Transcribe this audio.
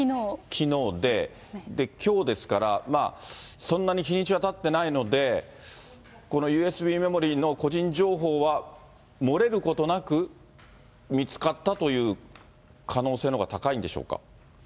きのうで、きょうですから、そんなに日にちはたってないので、このＵＳＢメモリの個人情報は、漏れることなく見つかったという可能性のほうが高いんでしょうか？